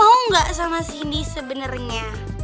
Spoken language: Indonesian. hmm haikal mau gak sama si hindi sebenernya